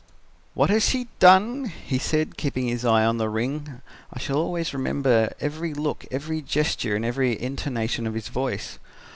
"'What has she done?' he said, keeping his eye on the ring I shall always remember every look, every gesture, and every intonation of his voice.